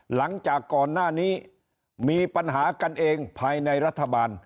หลังจากก่อนหน้านี้มีปัญหากันเองภายในรัฐบาล